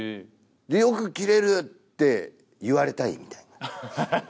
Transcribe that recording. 「よく切れる！」って言われたいみたいなハハハ